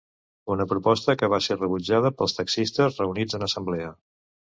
Una proposta que va ser rebutjada pels taxistes reunits en assemblea.